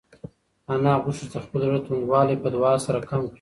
انا غوښتل چې د خپل زړه توندوالی په دعا سره کم کړي.